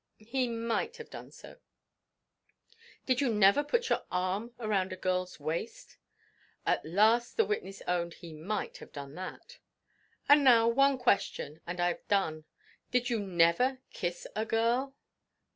He might have done so. "Did you never put your arm round a girl's waist?" At last the witness owned he might have done even that. "And now, one question, and I've done. Did you never kiss a girl?"